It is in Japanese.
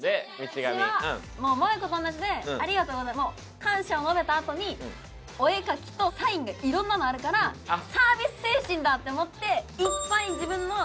私はもう百依子と同じで「ありがとうございます」もう感謝を述べたあとにお絵描きとサインがいろんなのあるからサービス精神だって思っていっぱい自分の今までの。